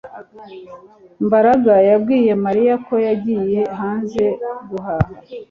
Mbaraga yabwiye Mariya ko yagiye hanze guhaha